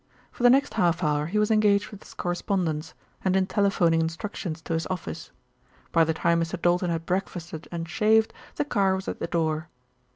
For the next half hour he was engaged with his correspondence, and in telephoning instructions to his office. By the time Mr. Doulton had breakfasted and shaved, the car was at the door.